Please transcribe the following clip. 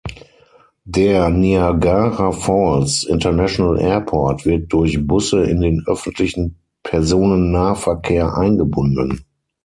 Der Niagara Falls International Airport wird durch Busse in den Öffentlichen Personennahverkehr eingebunden.